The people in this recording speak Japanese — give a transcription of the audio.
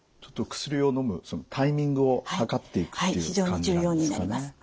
薬をのむタイミングを計っていくっていう感じなんですかね。